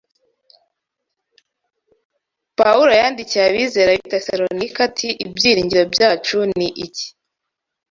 Pawulo yandikiye abizera b’i Tesalonike ati: “Ibyiringiro byacu ni iki